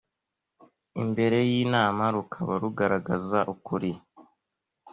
imbere y’inama rukaba rugaragaza ukuri